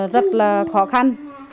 rất là khó khăn